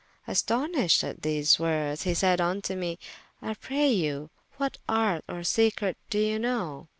Astonyshed at these woordes, he sayde vnto mee, I pray you what arte or secrete doe you know?